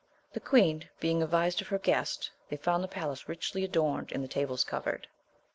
The queen being advised of her guest they found the palace richly adorned, and the tables covered.